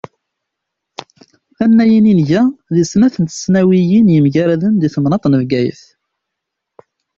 Tannayin i nga deg snat n tesnawiyin yemgaraden deg temnaḍt n Bgayet.